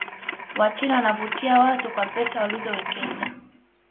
wachina wanavutia watu kwa pesa walizowekeza